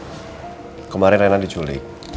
tidak kemarin rena diculik